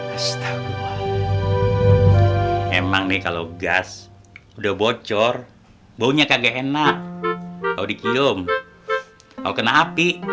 kesta emang nih kalau gas udah bocor baunya kagak enak mau dikium mau kena api